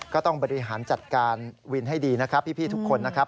ก็ต้องบริหารจัดการวินให้ดีนะครับพี่ทุกคนนะครับ